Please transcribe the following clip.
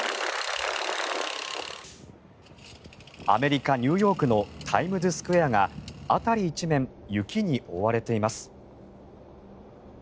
アメリカ・ニューヨークのタイムズスクエアが辺り一面、雪に覆われています。